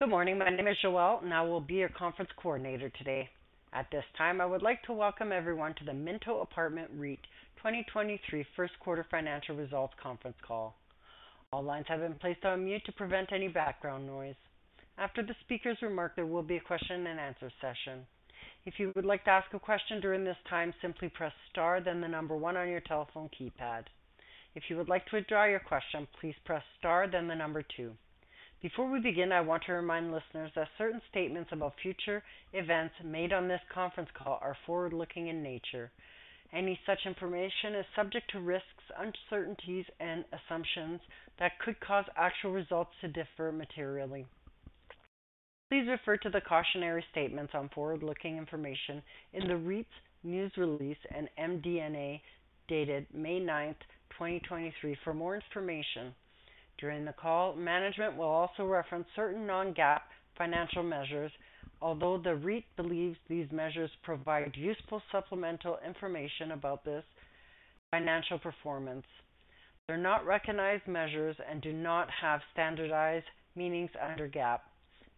Good morning. My name is Joelle, and I will be your conference coordinator today. At this time, I would like to welcome everyone to the Minto Apartment REIT 2023 first quarter financial results conference call. All lines have been placed on mute to prevent any background noise. After the speaker's remarks, there will be a question and answer session. If you would like to ask a question during this time, simply press star then one on your telephone keypad. If you would like to withdraw your question, please press star then two. Before we begin, I want to remind listeners that certain statements about future events made on this conference call are forward-looking in nature. Any such information is subject to risks, uncertainties, and assumptions that could cause actual results to differ materially. Please refer to the cautionary statements on forward-looking information in the REIT's news release and MD&A dated May 9th, 2023 for more information. During the call, management will also reference certain Non-GAAP financial measures. Although the REIT believes these measures provide useful supplemental information about this financial performance, they're not recognized measures and do not have standardized meanings under GAAP.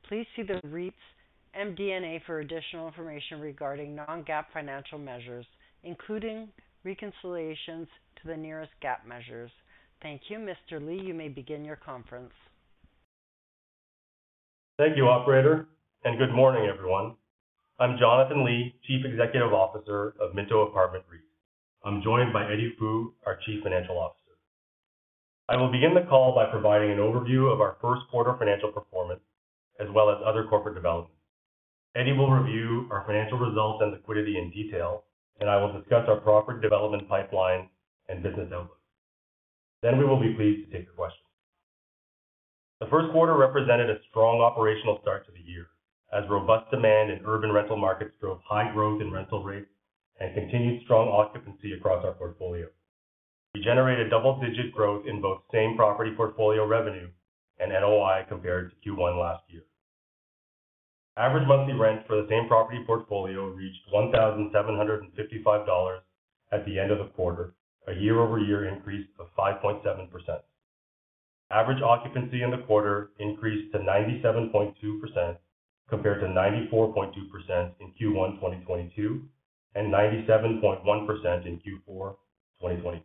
Please see the REIT's MD&A for additional information regarding Non-GAAP financial measures, including reconciliations to the nearest GAAP measures. Thank you. Mr. Li, you may begin your conference. Thank you, operator, good morning, everyone. I'm Jonathan Li, Chief Executive Officer of Minto Apartment REIT. I'm joined by Eddie Fu, our Chief Financial Officer. I will begin the call by providing an overview of our first quarter financial performance as well as other corporate developments. Eddie will review our financial results and liquidity in detail, and I will discuss our property development pipeline and business outlook. We will be pleased to take your questions. The first quarter represented a strong operational start to the year as robust demand in urban rental markets drove high growth in rental rates and continued strong occupancy across our portfolio. We generated double-digit growth in both same-property portfolio revenue and NOI compared to Q1 last year. Average monthly rents for the same-property portfolio reached 1,755 dollars at the end of the quarter, a year-over-year increase of 5.7%. Average occupancy in the quarter increased to 97.2% compared to 94.2% in Q1 2022 and 97.1% in Q4 2022.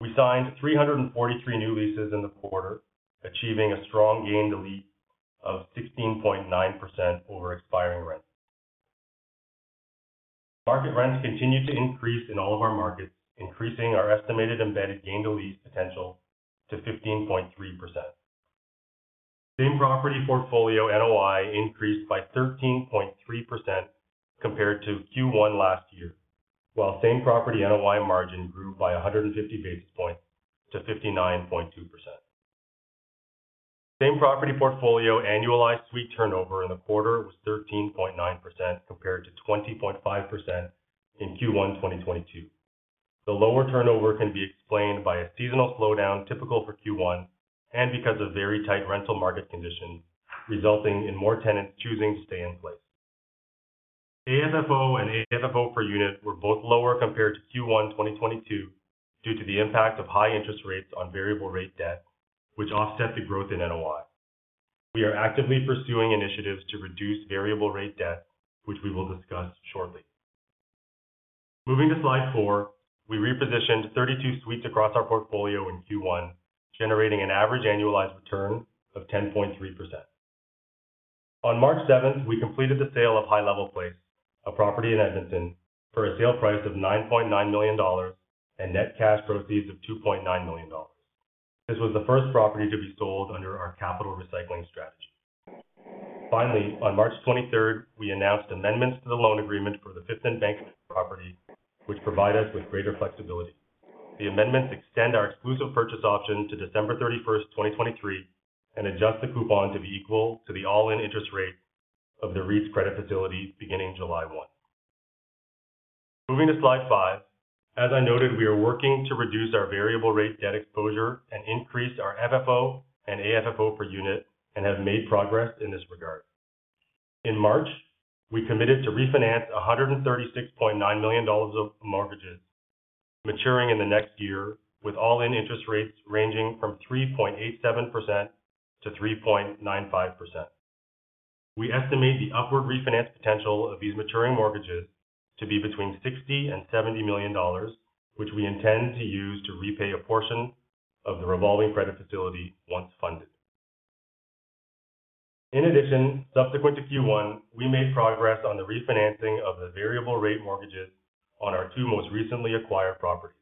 We signed 343 new leases in the quarter, achieving a strong gain to lease of 16.9% over expiring rents. Market rents continued to increase in all of our markets, increasing our estimated embedded gain to lease potential to 15.3%. Same-property portfolio NOI increased by 13.3% compared to Q1 last year, while same-property NOI margin grew by 150 basis points to 59.2%. Same-property portfolio annualized suite turnover in the quarter was 13.9% compared to 20.5% in Q1 2022. The lower turnover can be explained by a seasonal slowdown typical for Q1 and because of very tight rental market conditions resulting in more tenants choosing to stay in place. AFFO and AFFO per unit were both lower compared to Q1 2022 due to the impact of high interest rates on variable rate debt, which offset the growth in NOI. We are actively pursuing initiatives to reduce variable rate debt, which we will discuss shortly. Moving to slide four, we repositioned 32 suites across our portfolio in Q1, generating an average annualized return of 10.3%. On March 7th, we completed the sale of High Level Place, a property in Edmonton, for a sale price of 9.9 million dollars and net cash proceeds of 2.9 million dollars. This was the first property to be sold under our capital recycling strategy. On March 23rd, we announced amendments to the loan agreement for the Fifth and Bank property, which provide us with greater flexibility. The amendments extend our exclusive purchase option to December 31st, 2023, and adjust the coupon to be equal to the all-in interest rate of the REIT's credit facility beginning July 1st. Moving to slide five, as I noted, we are working to reduce our variable rate debt exposure and increase our FFO and AFFO per unit and have made progress in this regard. In March, we committed to refinance 136.9 million dollars of mortgages maturing in the next year, with all-in interest rates ranging from 3.87% to 3.95%. We estimate the upward refinance potential of these maturing mortgages to be between 60 million and 70 million dollars, which we intend to use to repay a portion of the revolving credit facility once funded. In addition, subsequent to Q1, we made progress on the refinancing of the variable rate mortgages on our two most recently acquired properties,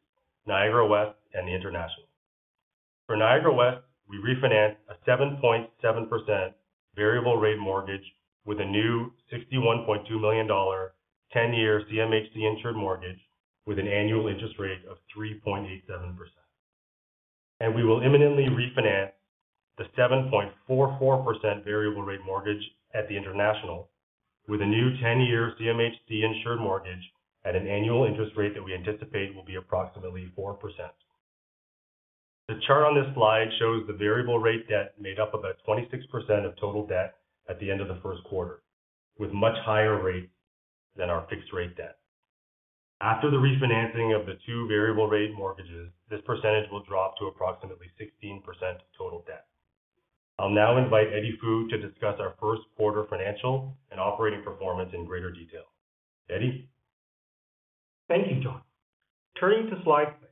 Niagara West and The International. For Niagara West, we refinanced a 7.7% variable rate mortgage with a new 61.2 million dollar 10-year CMHC insured mortgage with an annual interest rate of 3.87%. We will imminently refinance the 7.44% variable rate mortgage at The International with a new 10-year CMHC insured mortgage at an annual interest rate that we anticipate will be approximately 4%. The chart on this slide shows the variable rate debt made up about 26% of total debt at the end of the first quarter, with much higher rate than our fixed rate debt. After the refinancing of the two variable rate mortgages, this percentage will drop to approximately 16% total debt. I'll now invite Eddie Fu to discuss our first quarter financial and operating performance in greater detail. Eddie. Thank you, John. Turning to slide six.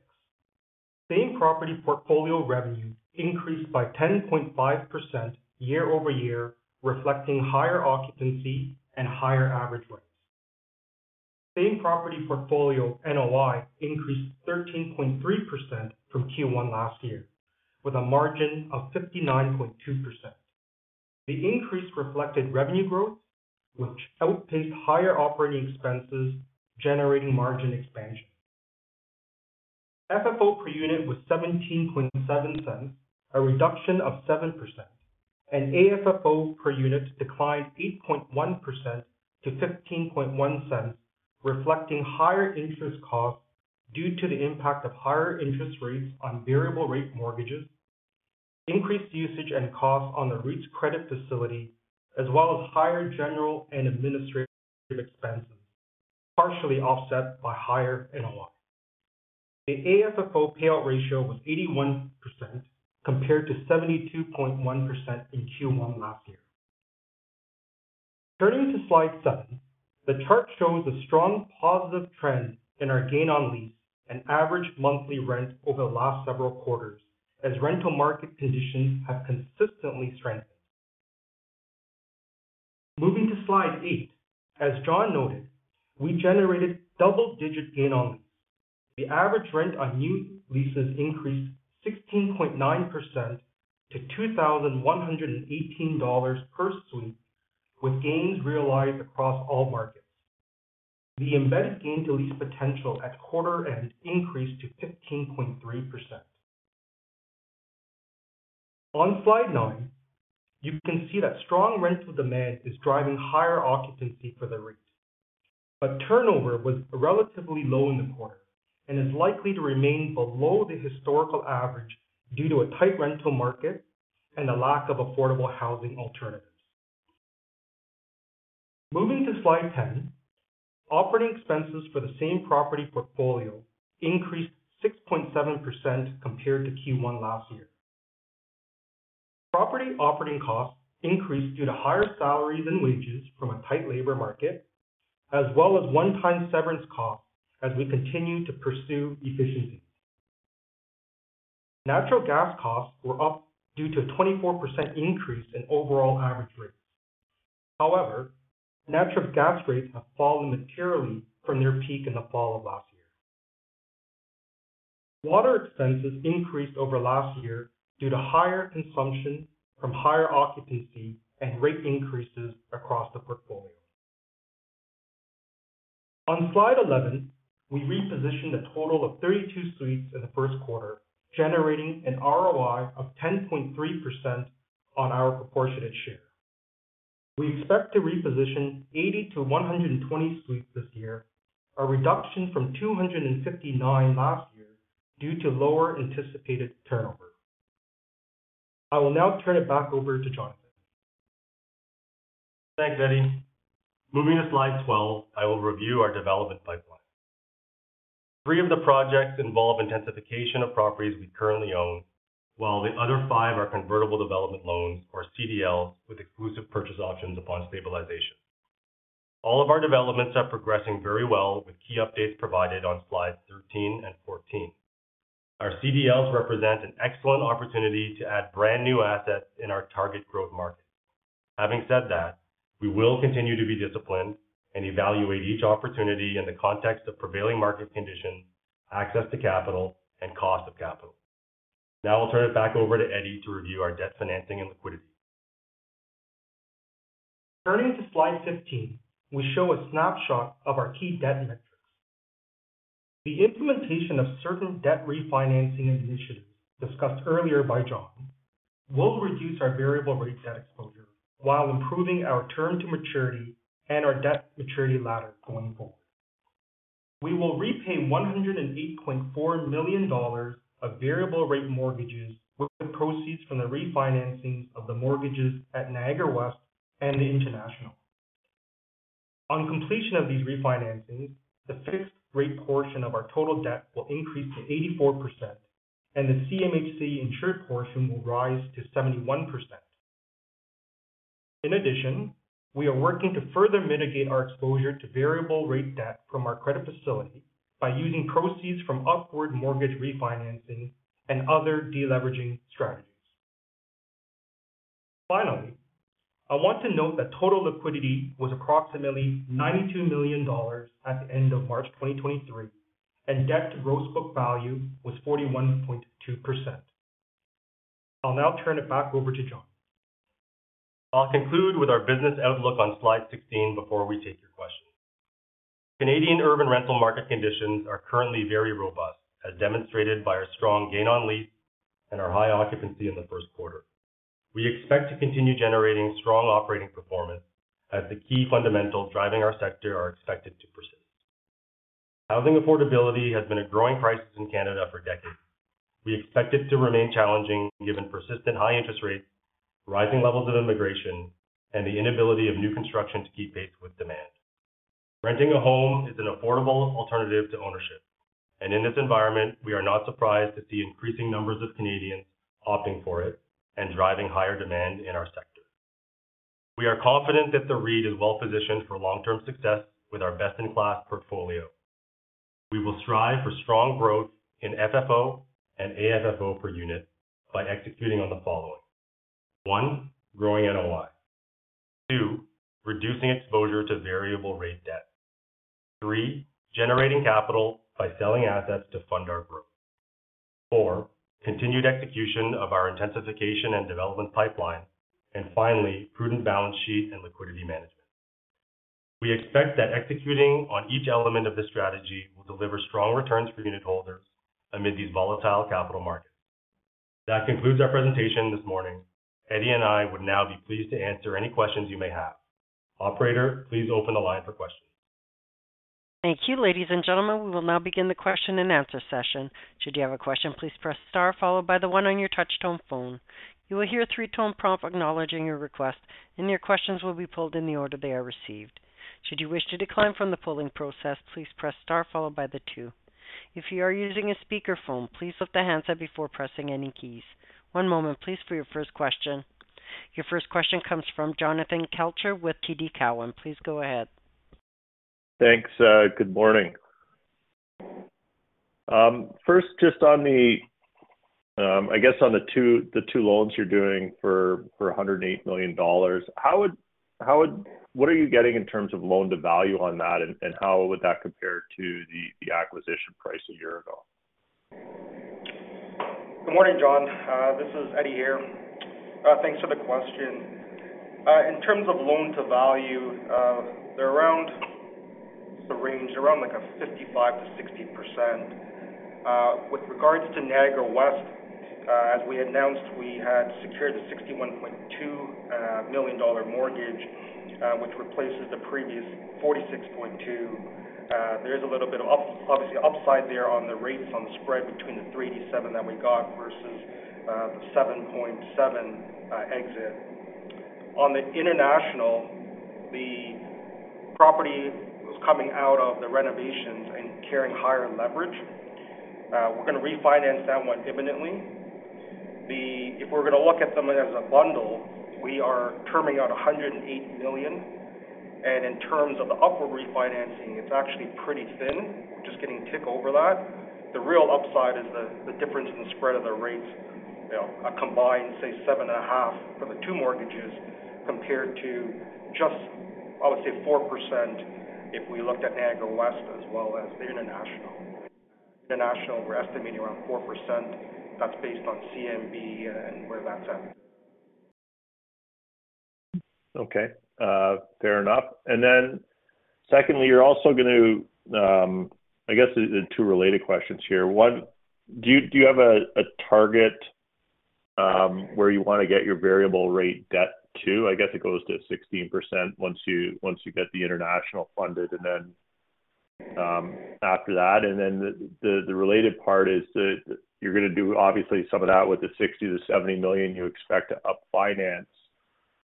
Same-property portfolio revenue increased by 10.5% year-over-year, reflecting higher occupancy and higher average rates. Same-property portfolio NOI increased 13.3% from Q1 last year with a margin of 59.2%. The increase reflected revenue growth, which outpaced higher operating expenses, generating margin expansion. FFO per unit was 0.177, a reduction of 7%, and AFFO per unit declined 8.1% to 0.151, reflecting higher interest costs due to the impact of higher interest rates on variable rate mortgages, increased usage and costs on the REIT's credit facility, as well as higher general and administrative expenses, partially offset by higher NOI. The AFFO payout ratio was 81% compared to 72.1% in Q1 last year. Turning to slide seven, the chart shows a strong positive trend in our gain on lease and average monthly rent over the last several quarters as rental market conditions have consistently strengthened. Moving to slide eight, as John noted, we generated double-digit gain on this. The average rent on new leases increased 16.9% to 2,118 dollars per suite, with gains realized across all markets. The embedded gain to lease potential at quarter end increased to 15.3%. On slide nine, you can see that strong rental demand is driving higher occupancy for the REITs. Turnover was relatively low in the quarter and is likely to remain below the historical average due to a tight rental market and the lack of affordable housing alternatives. Moving to Slide 10, operating expenses for the same property portfolio increased 6.7% compared to Q1 last year. Property operating costs increased due to higher salaries and wages from a tight labor market, as well as one-time severance costs as we continue to pursue efficiency. Natural gas costs were up due to a 24% increase in overall average rates. Natural gas rates have fallen materially from their peak in the fall of last year. Water expenses increased over last year due to higher consumption from higher occupancy and rate increases across the portfolio. On Slide 11, we repositioned a total of 32 suites in the first quarter, generating an ROI of 10.3% on our proportionate share. We expect to reposition 80 suites-120 suites this year, a reduction from 259 suites last year due to lower anticipated turnover. I will now turn it back over to Jonathan. Thanks, Eddie. Moving to Slide 12, I will review our development pipeline. Three of the projects involve intensification of properties we currently own, while the other five are convertible development loans or CDLs with exclusive purchase options upon stabilization. All of our developments are progressing very well with key updates provided on Slides 13 and Slides 14. Our CDLs represent an excellent opportunity to add brand-new assets in our target growth market. Having said that, we will continue to be disciplined and evaluate each opportunity in the context of prevailing market conditions, access to capital, and cost of capital. Now I will turn it back over to Eddie to review our debt financing and liquidity. Turning to Slide 15, we show a snapshot of our key debt metrics. The implementation of certain debt refinancing initiatives discussed earlier by John will reduce our variable rate debt exposure while improving our term to maturity and our debt maturity ladder going forward. We will repay 108.4 million dollars of variable rate mortgages with proceeds from the refinancing of the mortgages at Niagara West and International. On completion of these refinancings, the fixed rate portion of our total debt will increase to 84%, and the CMHC insured portion will rise to 71%. In addition, we are working to further mitigate our exposure to variable rate debt from our credit facility by using proceeds from upward mortgage refinancing and other deleveraging strategies. I want to note that total liquidity was approximately 92 million dollars at the end of March 2023, and Debt-to-Gross Book Value was 41.2%. I'll now turn it back over to John. I'll conclude with our business outlook on Slide 16 before we take your questions. Canadian urban rental market conditions are currently very robust, as demonstrated by our strong gain on lease and our high occupancy in the first quarter. We expect to continue generating strong operating performance as the key fundamentals driving our sector are expected to persist. Housing affordability has been a growing crisis in Canada for decades. We expect it to remain challenging given persistent high interest rates, rising levels of immigration, and the inability of new construction to keep pace with demand. Renting a home is an affordable alternative to ownership, and in this environment, we are not surprised to see increasing numbers of Canadians opting for it and driving higher demand in our sector. We are confident that the REIT is well positioned for long-term success with our best-in-class portfolio. We will strive for strong growth in FFO and AFFO per unit by executing on the following. One, growing NOI. Two, reducing exposure to variable rate debt. Three, generating capital by selling assets to fund our growth. Four, continued execution of our intensification and development pipeline. Finally, prudent balance sheet and liquidity management. We expect that executing on each element of this strategy will deliver strong returns for unitholders amid these volatile capital markets. That concludes our presentation this morning. Eddie and I would now be pleased to answer any questions you may have. Operator, please open the line for questions. Thank you. Ladies and gentlemen, we will now begin the question-and-answer session. Should you have a question, please press star followed by one on your touchtone phone. You will hear a three-tone prompt acknowledging your request, and your questions will be pulled in the order they are received. Should you wish to decline from the polling process, please press star followed by two. If you are using a speakerphone, please lift the handset before pressing any keys. One moment, please, for your first question. Your first question comes from Jonathan Kelcher with TD Cowen. Please go ahead. Thanks. Good morning. first, just on the, I guess on the two loans you're doing for 108 million dollars, What are you getting in terms of loan-to-value on that, and how would that compare to the acquisition price a year ago? Good morning, John. This is Eddie here. Thanks for the question. In terms of loan-to-value, they're around the range, around, like a 55%-60%. With regards to Niagara West, as we announced, we had secured the $61.2 million mortgage, which replaces the previous $46.2 million. There is a little bit of up, obviously upside there on the rates on the spread between the 3.87% that we got versus the 7.7% exit. On the international, the property was coming out of the renovations and carrying higher leverage. We're gonna refinance that one imminently. If we're gonna look at them as a bundle, we are terming out $108 million. In terms of the upper refinancing, it's actually pretty thin. We're just getting tick over that. The real upside is the difference in the spread of the rates, you know, a combined, say, 7.5% for the two mortgages compared to just, I would say, 4% if we looked at Niagara West as well as the international. International, we're estimating around 4%. That's based on CMB and where that's at. Okay. fair enough. Secondly, you're also going to... I guess the two related questions here. One, do you have a target where you wanna get your variable rate debt to? I guess it goes to 16% once you get the international funded and then after that. The related part is you're gonna do obviously some of that with the 60 million-70 million you expect to up finance.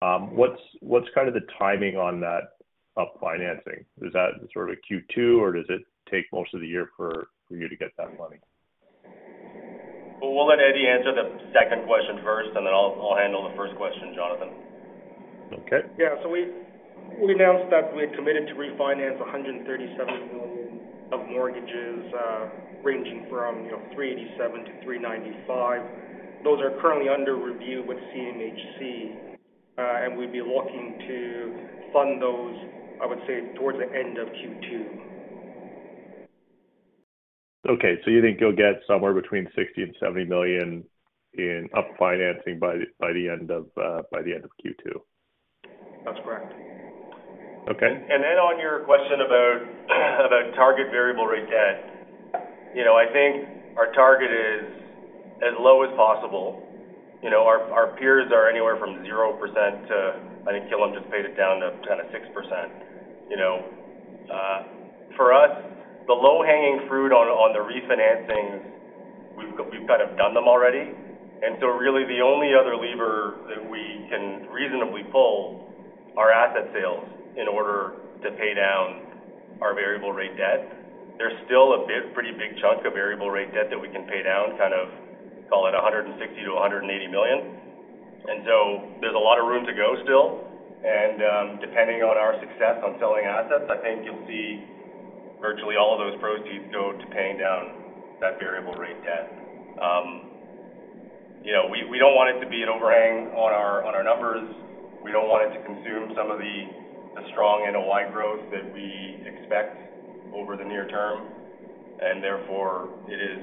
What's kind of the timing on that up financing? Is that sort of a Q2, or does it take most of the year for you to get that money? Well, we'll let Eddie answer the second question first, and then I'll handle the first question, Jonathan. Okay. Yeah. We announced that we're committed to refinance 137 million of mortgages, ranging from, you know, 3.87%-3.95%. Those are currently under review with CMHC, and we'd be looking to fund those, I would say, towards the end of Q2. Okay. You think you'll get somewhere between 60 million and 70 million in up financing by the, by the end of by the end of Q2? That's correct. Okay. On your question about target variable rate debt. You know, I think our target is as low as possible. You know, our peers are anywhere from 0% to... I think Killam just paid it down to kind of 6%, you know. For us, the low-hanging fruit on the refinancings, we've kind of done them already. Really the only other lever that we can reasonably pull are asset sales in order to pay down our variable rate debt. There's still a big, pretty big chunk of variable rate debt that we can pay down, kind of call it 160 million-180 million. There's a lot of room to go still. Depending on our success on selling assets, I think you'll see virtually all of those proceeds go to paying down that variable rate debt. You know, we don't want it to be an overhang on our numbers. We don't want it to consume some of the strong NOI growth that we expect over the near term, and therefore it is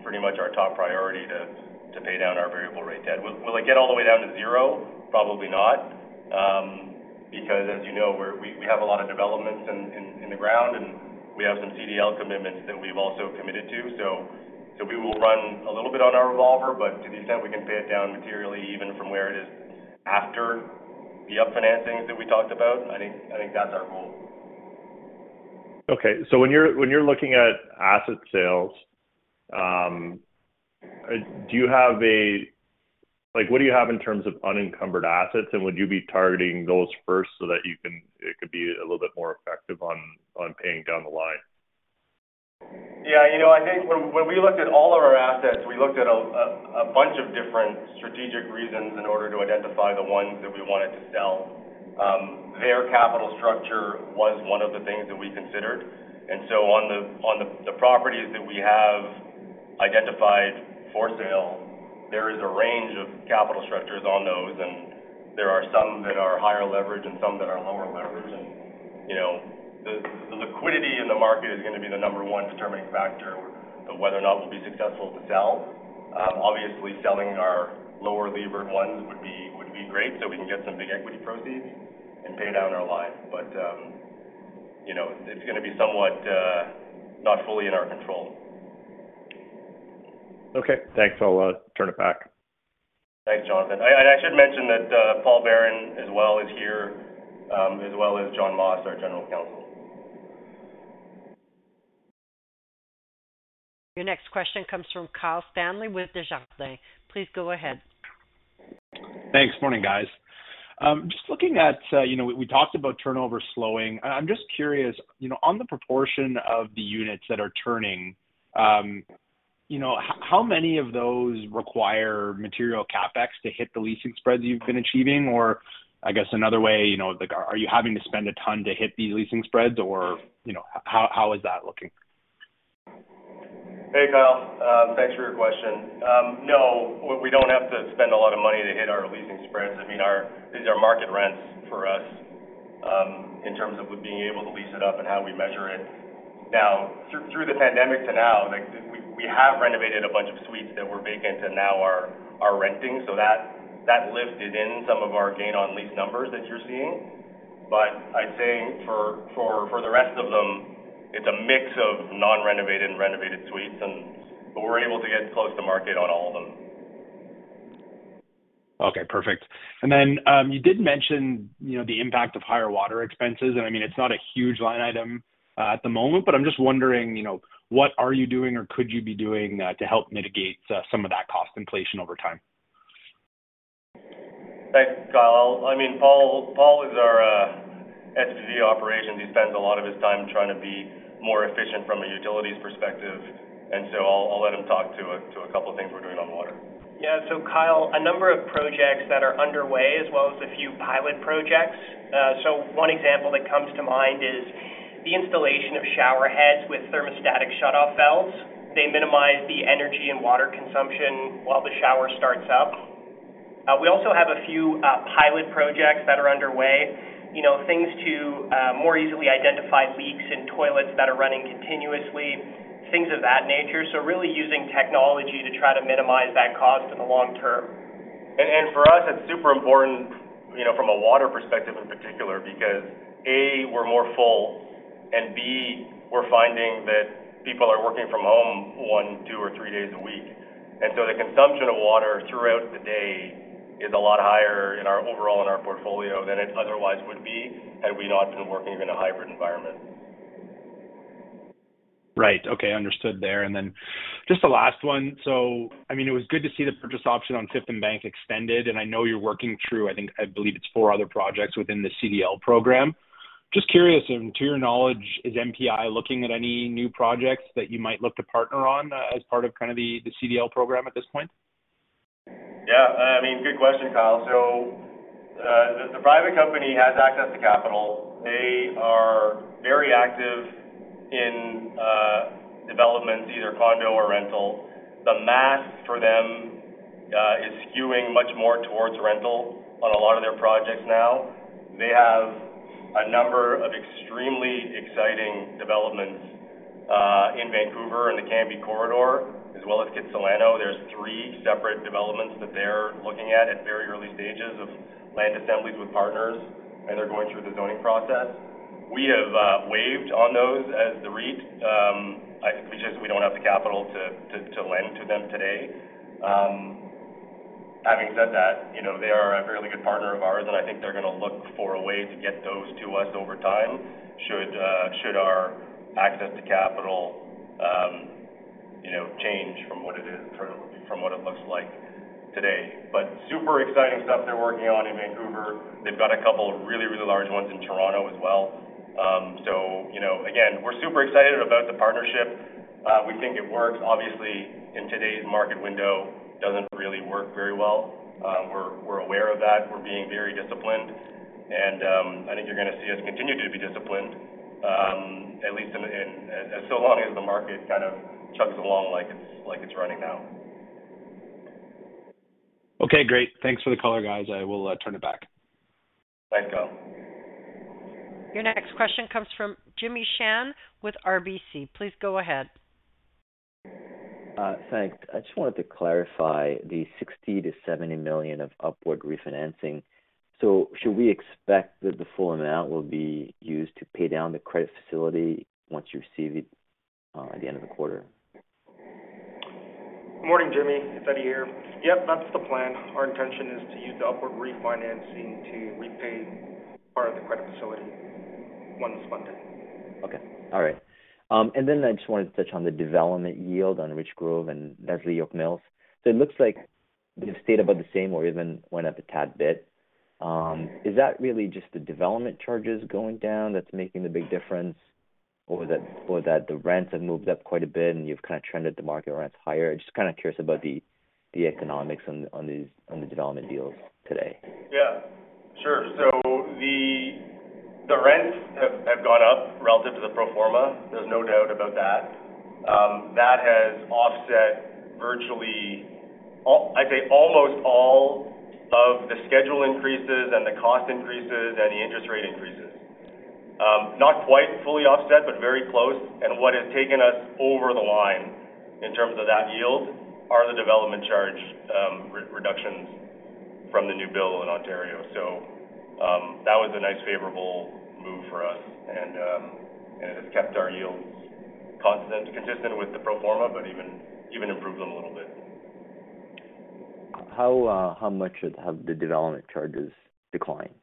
pretty much our top priority to pay down our variable rate debt. Will it get all the way down to zero? Probably not. Because as you know, we have a lot of developments in the ground, and we have some CDL commitments that we've also committed to. So we will run a little bit on our revolver. To the extent we can pay it down materially even from where it is after the up financings that we talked about, I think that's our goal. Okay. When you're looking at asset sales, what do you have in terms of unencumbered assets? Would you be targeting those first so that it could be a little bit more effective on paying down the line? Yeah. You know, I think when we looked at all of our assets, we looked at a bunch of different strategic reasons in order to identify the ones that we wanted to sell. Their capital structure was one of the things that we considered. On the properties that we have identified for sale, there is a range of capital structures on those, and there are some that are higher leverage and some that are lower leverage. You know, the liquidity in the market is gonna be the number one determining factor of whether or not we'll be successful to sell. Obviously, selling our lower levered ones would be great, so we can get some big equity proceeds and pay down our line. You know, it's gonna be somewhat not fully in our control. Okay. Thanks. I'll turn it back. Thanks, Jonathan. I should mention that Paul Baron as well is here, as well as John Moss, our General Counsel. Your next question comes from Kyle Stanley with Desjardins. Please go ahead. Thanks. Morning, guys. Just looking at, you know, we talked about turnover slowing. I'm just curious, you know, on the proportion of the units that are turning, you know, how many of those require material CapEx to hit the leasing spreads you've been achieving? I guess another way, you know, like, are you having to spend a ton to hit these leasing spreads or, you know, how is that looking? Hey, Kyle. Thanks for your question. No, we don't have to spend a lot of money to hit our leasing spreads. I mean, these are market rents for us, in terms of with being able to lease it up and how we measure it. Now, through the pandemic to now, like we have renovated a bunch of suites that were vacant and now are renting. That lifted in some of our gain on lease numbers that you're seeing. I'd say for the rest of them, it's a mix of non-renovated and renovated suites, but we're able to get close to market on all of them. Okay. Perfect. You did mention, you know, the impact of higher water expenses, and I mean, it's not a huge line item, at the moment. I'm just wondering, you know, what are you doing or could you be doing, to help mitigate some of that cost inflation over time? Thanks, Kyle. I mean, Paul is our SVP Operations. He spends a lot of his time trying to be more efficient from a utilities perspective, and so I'll let him talk to a couple of things we're doing on water. Yeah. Kyle, a number of projects that are underway as well as a few pilot projects. One example that comes to mind is the installation of shower heads with thermostatic shutoff valves. They minimize the energy and water consumption while the shower starts up. We also have a few pilot projects that are underway. You know, things to more easily identify leaks in toilets that are running continuously, things of that nature. Really using technology to try to minimize that cost in the long term. For us, it's super important, you know, from a water perspective in particular, because, A, we're more full, and B, we're finding that people are working from home one, two, or three days a week. The consumption of water throughout the day is a lot higher overall in our portfolio than it otherwise would be had we not been working in a hybrid environment. Right. Okay. Understood there. Just the last one. I mean, it was good to see the purchase option on Fifth and Bank extended, and I know you're working through, I believe it's four other projects within the CDL program. Just curious, to your knowledge, is MPI looking at any new projects that you might look to partner on, as part of kind of the CDL program at this point? Yeah. I mean, good question, Kyle. The private company has access to capital. They are very active in developments, either condo or rental. The math for them is skewing much more towards rental on a lot of their projects now. They have a number of extremely exciting developments in Vancouver in the Cambie Corridor as well as Kitsilano. There's three separate developments that they're looking at very early stages of land assemblies with partners, and they're going through the zoning process. We have waived on those as the REIT. I think we don't have the capital to lend to them today. Having said that, you know, they are a fairly good partner of ours, and I think they're gonna look for a way to get those to us over time should our access to capital, you know, change from what it is currently, from what it looks like today. Super exciting stuff they're working on in Vancouver. They've got a couple of really, really large ones in Toronto as well. You know, again, we're super excited about the partnership. We think it works. Obviously, in today's market window, doesn't really work very well. We're aware of that. We're being very disciplined, and I think you're gonna see us continue to be disciplined, at least in as so long as the market kind of chugs along like it's running now. Okay. Great. Thanks for the color, guys. I will turn it back. Thanks, Kyle. Your next question comes from Jimmy Shan with RBC. Please go ahead. Thanks. I just wanted to clarify the 60 million-70 million of upward refinancing. Should we expect that the full amount will be used to pay down the credit facility once you receive it, at the end of the quarter? Good morning, Jimmy. It's Eddie here. Yep, that's the plan. Our intention is to use the upward refinancing to repay part of the credit facility once funded. Okay. All right. I just wanted to touch on the development yield on Richgrove and Leslie York Mills. It looks like they've stayed about the same or even went up a tad bit. Is that really just the development charges going down that's making the big difference? Or that the rents have moved up quite a bit and you've kind of trended the market rents higher? Just kind of curious about the economics on the development deals today. Yeah, sure. The rents have gone up relative to the pro forma. There's no doubt about that. That has offset virtually almost all of the schedule increases and the cost increases and the interest rate increases. Not quite fully offset, but very close. What has taken us over the line in terms of that yield are the development charge reductions from the new bill in Ontario. That was a nice favorable move for us. It has kept our yields constant, consistent with the pro forma, but even improved them a little bit. How much have the development charges declined?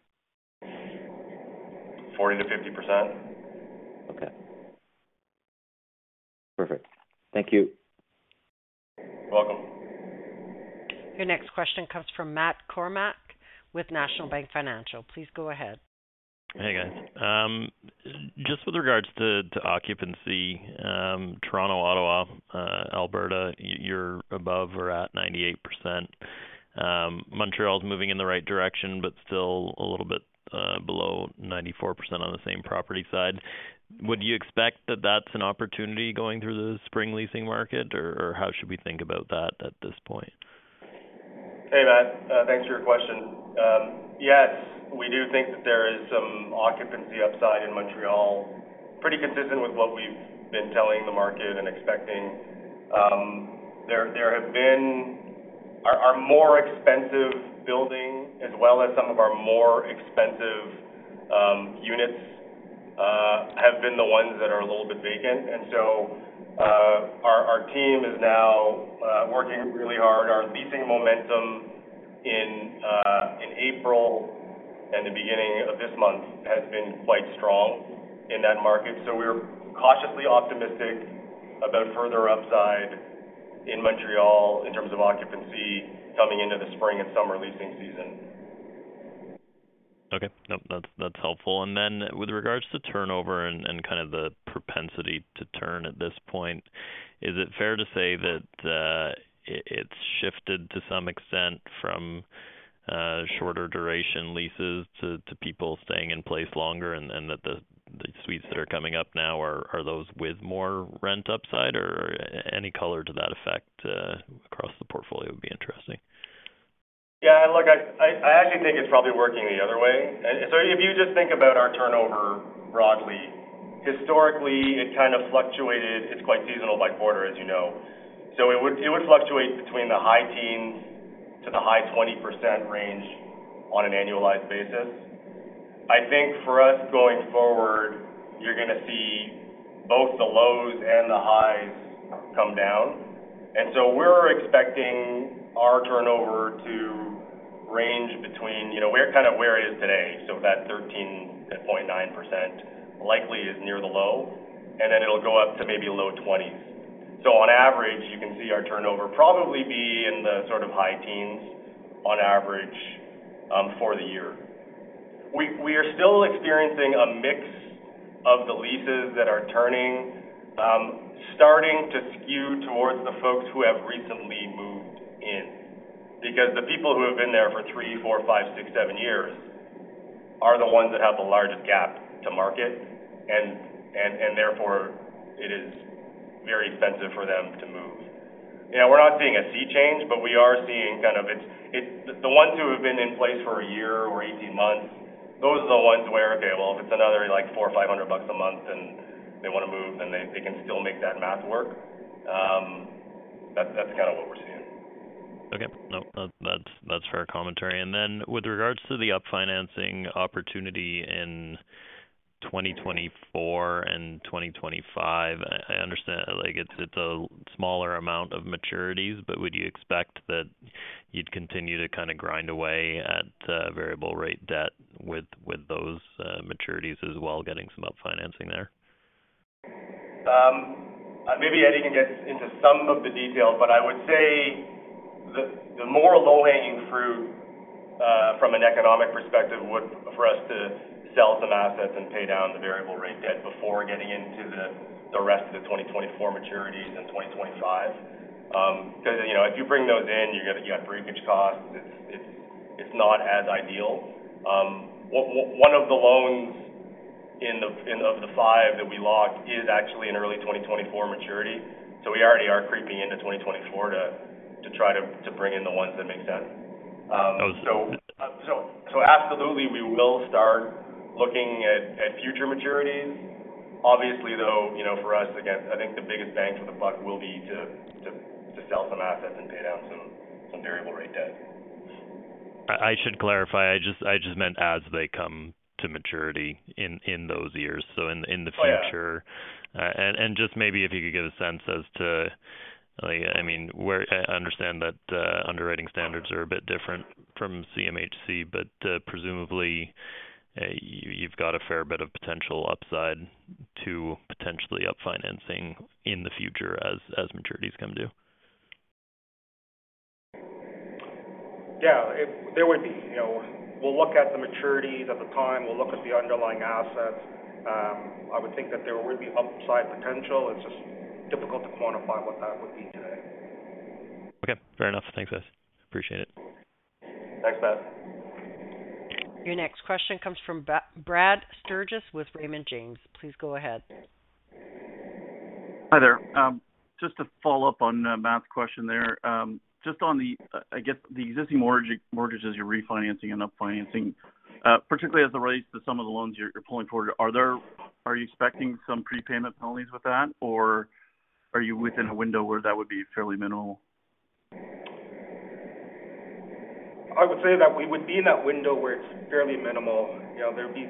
40%-50%. Okay. Perfect. Thank you. You're welcome. Your next question comes from Matt Kornack with National Bank Financial. Please go ahead. Hey, guys. Just with regards to occupancy, Toronto, Ottawa, Alberta, you're above or at 98%. Montreal is moving in the right direction, but still a little bit below 94% on the same property side. Would you expect that that's an opportunity going through the spring leasing market? Or how should we think about that at this point? Hey, Matt. Thanks for your question. Yes, we do think that there is some occupancy upside in Montreal, pretty consistent with what we've been telling the market and expecting. Our more expensive building as well as some of our more expensive units, have been the ones that are a little bit vacant. Our team is now working really hard. Our leasing momentum in April and the beginning of this month has been quite strong in that market. We're cautiously optimistic about further upside in Montreal in terms of occupancy coming into the spring and summer leasing season. Okay. Nope, that's helpful. Then with regards to turnover and kind of the propensity to turn at this point, is it fair to say that it's shifted to some extent from shorter duration leases to people staying in place longer, and that the suites that are coming up now are those with more rent upside? Any color to that effect across the portfolio would be interesting. Yeah, look, I actually think it's probably working the other way. If you just think about our turnover broadly, historically, it kind of fluctuated. It's quite seasonal by quarter, as you know. It would fluctuate between the high teens to the high 20% range on an annualized basis. I think for us going forward, you're going to see both the lows and the highs come down. We're expecting our turnover to range between, you know, kind of where it is today. That 13.9% likely is near the low, and then it'll go up to maybe low 20s. On average, you can see our turnover probably be in the sort of high teens on average for the year. We are still experiencing a mix of the leases that are turning, starting to skew towards the folks who have recently moved in. Because the people who have been there for three, four, five, six, seven years are the ones that have the largest gap to market. Therefore, it is very expensive for them to move. You know, we're not seeing a sea change, we are seeing kind of it's the ones who have been in place for a year or 18 months, those are the ones where, okay, well, if it's another, like, 400 or 500 bucks a month and they want to move, then they can still make that math work. That's kind of what we're seeing. Okay. No, that's fair commentary. With regards to the up financing opportunity in 2024 and 2025, I understand, like, it's a smaller amount of maturities, but would you expect that you'd continue to kind of grind away at variable rate debt with those maturities as well, getting some up financing there? Maybe Eddie can get into some of the details, but I would say the more low-hanging fruit from an economic perspective would for us to sell some assets and pay down the variable rate debt before getting into the rest of the 2024 maturities and 2025. Because, you know, if you bring those in, you got, you got breakage costs. It's, it's not as ideal. One of the loans of the five that we locked is actually an early 2024 maturity. We already are creeping into 2024 to try to bring in the ones that make sense. Absolutely, we will start looking at future maturities. Obviously, though, you know, for us, again, I think the biggest bang for the buck will be to sell some assets and pay down some variable rate debt. I should clarify. I just meant as they come to maturity in those years, so in the future. Oh, yeah. Just maybe if you could give a sense as to, like, I mean, I understand that underwriting standards are a bit different from CMHC, but presumably, you've got a fair bit of potential upside to potentially up financing in the future as maturities come due. Yeah. There would be. You know, we'll look at the maturities at the time. We'll look at the underlying assets. I would think that there would be upside potential. It's just difficult to quantify what that would be today. Okay. Fair enough. Thanks, guys. Appreciate it. Thanks, Matt. Your next question comes from Brad Sturges with Raymond James. Please go ahead. Hi there. Just to follow up on Matt's question there. Just on the, I guess the existing mortgages you're refinancing and up financing, particularly as it relates to some of the loans you're pulling forward, are you expecting some prepayment penalties with that, or are you within a window where that would be fairly minimal? I would say that we would be in that window where it's fairly minimal. You know, there'd be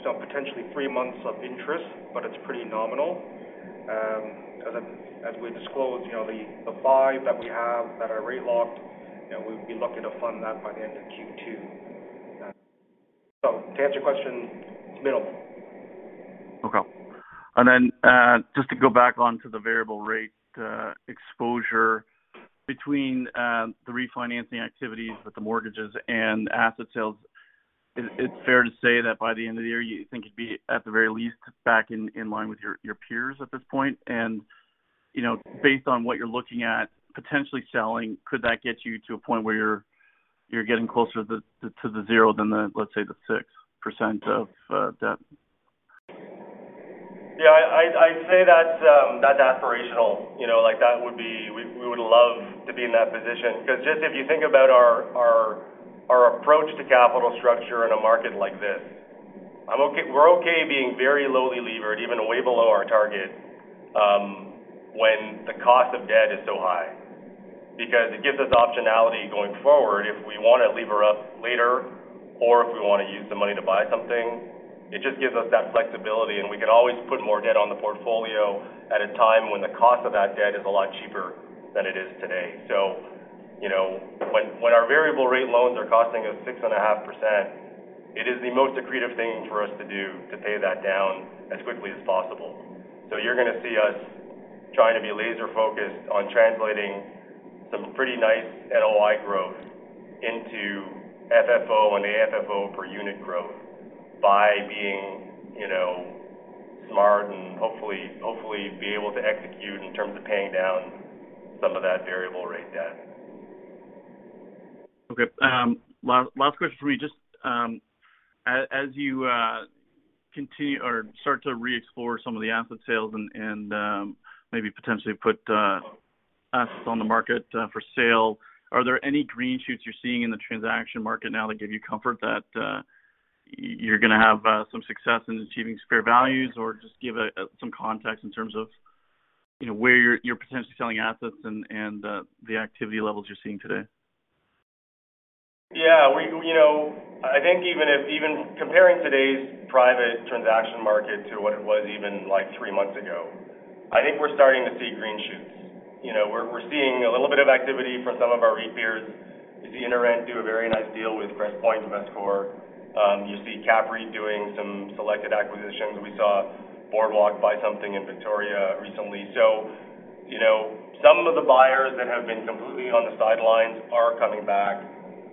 some potentially three months of interest, but it's pretty nominal. As we disclose, you know, the five that we have that are rate locked, you know, we'd be lucky to fund that by the end of Q2. To answer your question, it's minimal. Okay. Then, just to go back onto the variable rate exposure between the refinancing activities with the mortgages and asset sales. Is it fair to say that by the end of the year, you think you'd be, at the very least, back in line with your peers at this point? You know, based on what you're looking at potentially selling, could that get you to a point where you're getting closer to the, to the zero than the, let's say, the 6% of debt? Yeah, I'd say that's aspirational. You know, like, we would love to be in that position. 'Cause just if you think about our approach to capital structure in a market like this, we're okay being very lowly levered, even way below our target, when the cost of debt is so high. It gives us optionality going forward if we wanna lever up later or if we wanna use the money to buy something. It just gives us that flexibility, and we can always put more debt on the portfolio at a time when the cost of that debt is a lot cheaper than it is today. you know, when our variable rate loans are costing us 6.5%, it is the most accretive thing for us to do to pay that down as quickly as possible. you're gonna see us trying to be laser focused on translating some pretty nice NOI growth into FFO and AFFO per unit growth by being, you know, smart and hopefully be able to execute in terms of paying down some of that variable rate debt. Okay. last question for you. Just as you continue or start to re-explore some of the asset sales and maybe potentially put assets on the market for sale, are there any green shoots you're seeing in the transaction market now that give you comfort that you're gonna have some success in achieving fair values? Or just give some context in terms of, you know, where you're potentially selling assets and the activity levels you're seeing today. Yeah, You know, I think even comparing today's private transaction market to what it was, like, three months ago, I think we're starting to see green shoots. You know, we're seeing a little bit of activity from some of our REIT peers. You see InterRent do a very nice deal with Crestpoint, Vestcor. You see CAPREIT doing some selected acquisitions. We saw Boardwalk buy something in Victoria recently. You know, some of the buyers that have been completely on the sidelines are coming back.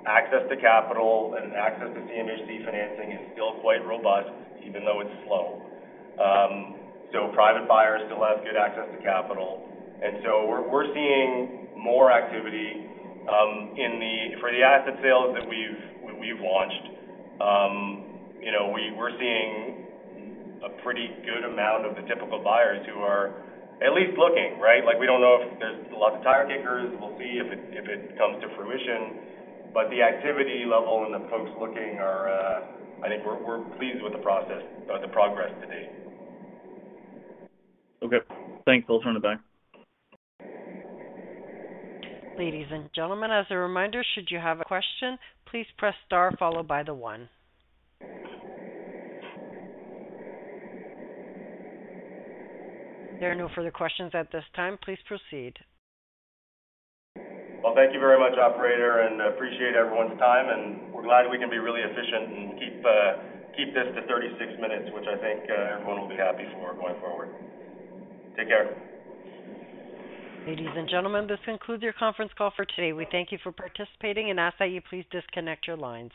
Access to capital and access to CMHC financing is still quite robust, even though it's slow. Private buyers still have good access to capital. We're seeing more activity for the asset sales that we've launched. you know, we're seeing a pretty good amount of the typical buyers who are at least looking, right? Like, we don't know if there's lots of tire kickers. We'll see if it, if it comes to fruition. The activity level and the folks looking are, I think we're pleased with the process or the progress to date. Okay. Thanks. I'll turn it back. Ladies and gentlemen, as a reminder, should you have a question, please press star followed by the 1. There are no further questions at this time. Please proceed. Well, thank you very much, operator, and appreciate everyone's time, and we're glad we can be really efficient and keep this to 36 minutes, which I think everyone will be happy for going forward. Take care. Ladies and gentlemen, this concludes your conference call for today. We thank you for participating and ask that you please disconnect your lines.